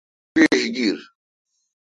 پیݭ پیݭ گیر۔